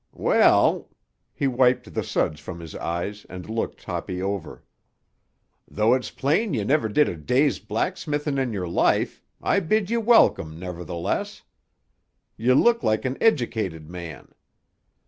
Well—" he wiped the suds from his eyes and looked Toppy over—"though it's plain ye never did a day's blacksmithing in your life, I bid ye welcome, nevertheless. Ye look like an educated man.